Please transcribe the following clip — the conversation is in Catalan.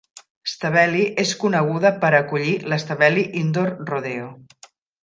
Stavely és coneguda per acollir l'Stavely Indoor Rodeo.